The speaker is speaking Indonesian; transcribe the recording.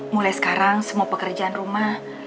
mulai sekarang semua pekerjaan rumah